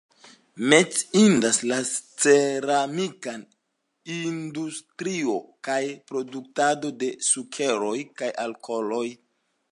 Menciindas la ceramika industrio kaj produktado de sukeroj kaj alkoholoj.